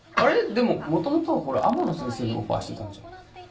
でももともとはこれ天野先生にオファーしてたんじゃ？